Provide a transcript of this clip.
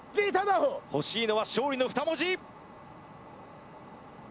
欲しいのは「勝利」の２文字。